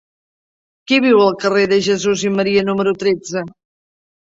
Qui viu al carrer de Jesús i Maria número tretze?